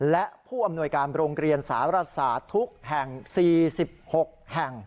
และผู้อำนวยการโรงเรียนสารศาสตร์ทุกแห่ง๔๖แห่ง